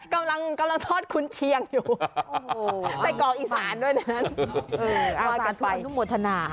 กำลังทอดคุณเชียงอยู่ใส่กล่องอีสานด้วยนะอาสานทุกคนรู้หมวดธนา